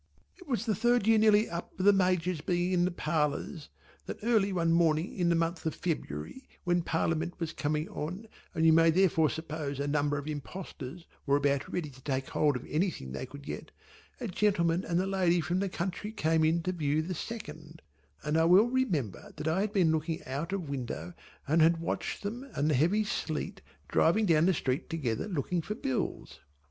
It was the third year nearly up of the Major's being in the parlours that early one morning in the month of February when Parliament was coming on and you may therefore suppose a number of impostors were about ready to take hold of anything they could get, a gentleman and a lady from the country came in to view the Second, and I well remember that I had been looking out of window and had watched them and the heavy sleet driving down the street together looking for bills.